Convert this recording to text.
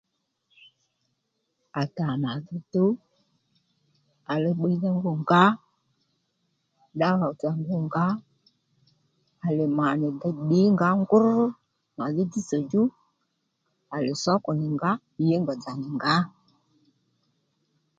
À thà mà dhí tuw à lêy bbiydha ngû ngǎ ddawa dzà ngû ngǎ à lêy mà nì dey ddǐnga ngrú mà dhí dzítsò djú sǒkò nì ngǎ yěngà dzà nì ngǎ